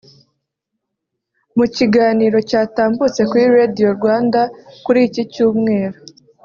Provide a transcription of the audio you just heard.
mu kiganiro cyatambutse kuri Radio Rwanda kuri iki cyumweru